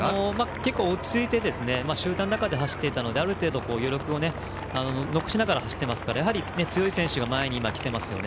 結構、落ち着いて集団の中で走っていたのである程度、余力を残しながら走っていますから強い選手が前に来てますよね。